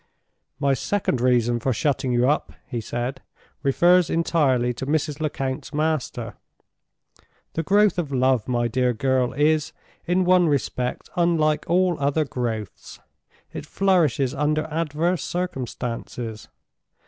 "My second reason for shutting you up," he said, "refers entirely to Mrs. Lecount's master. The growth of love, my dear girl, is, in one respect, unlike all other growths—it flourishes under adverse circumstances.